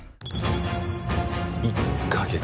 １か月。